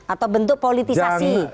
atau bentuk politisasi